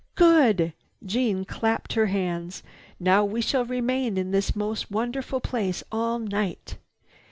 "Good!" Jeanne clapped her hands. "Now we shall remain in this most wonderful place all night.